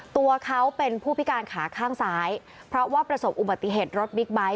ตัวเขาเป็นผู้พิการขาข้างซ้ายเพราะว่าประสบอุบัติเหตุรถบิ๊กไบท์